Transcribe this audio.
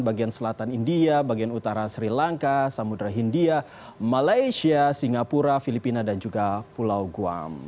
bagian selatan india bagian utara sri lanka samudera hindia malaysia singapura filipina dan juga pulau guam